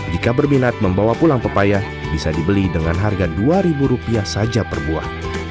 jika berminat membawa pulang pepaya bisa dibeli dengan harga rp dua saja per buah